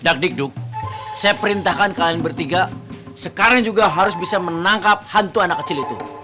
dakdikduk saya perintahkan kalian bertiga sekarang juga harus bisa menangkap hantu anak kecil itu